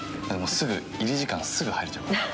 すぐ入り時間すぐ入れちゃうから。